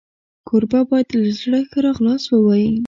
کوربه باید له زړه ښه راغلاست ووایي.